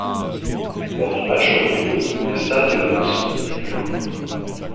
Lors du match retour le stade de La Mosson est plein.